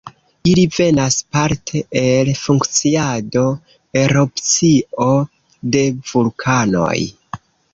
Ili venas parte el funkciado, erupcio de vulkanoj.